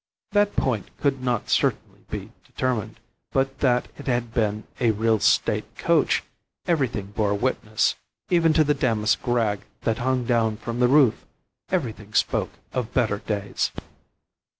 That point could not certainly be determined; but that it had been a real state coach everything bore witness, even to the damask rag that hung down from the roof; everything spoke of better days.